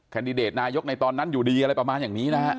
แดดิเดตนายกในตอนนั้นอยู่ดีอะไรประมาณอย่างนี้นะฮะ